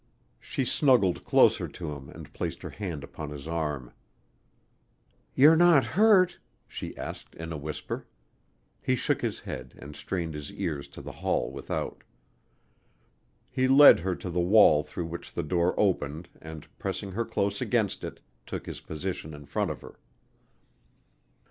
She snuggled closer to him and placed her hand upon his arm. "You're not hurt?" she asked in a whisper. He shook his head and strained his ears to the hall without. He led her to the wall through which the door opened and, pressing her close against it, took his position in front of her.